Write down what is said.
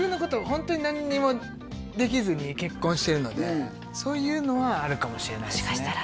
ホントに何にもできずに結婚してるのでそういうのはあるかもしれないですね